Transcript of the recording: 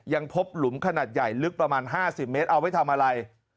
ยังพบหลุมขนาดใหญ่ลึกประมาณ๕๐เมตรเอาไว้ทำอะไร